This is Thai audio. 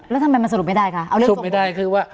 แล้วทำไมมันสรุปไม่ได้คะเอาเรื่องสรุปไม่ได้คือว่า